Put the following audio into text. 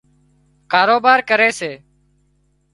ڪاروبار ڪري سي